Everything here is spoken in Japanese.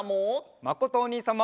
まことおにいさんも！